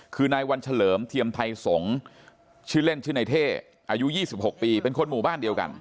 คือนายวันเฉลิมเทียมไทยสงฆ์ชื่อเล่นชื่อนายเท่อายุ๒๖ปีเป็นคนหมู่บ้านเดียวกัน